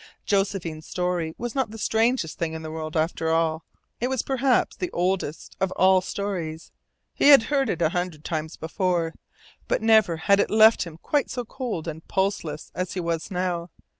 Josephine's story was not the strangest thing in the world after all. It was perhaps the oldest of all stories. He had heard it a hundred times before, but never had it left him quite so cold and pulseless as he was now.